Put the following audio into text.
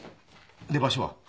で場所は？